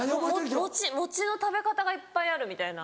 餅の食べ方がいっぱいあるみたいな。